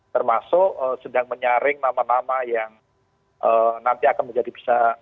termasuk sedang menyaring nama nama yang nanti akan menjadi bisa